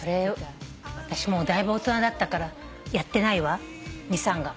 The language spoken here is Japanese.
私もうだいぶ大人だったからやってないわミサンガ。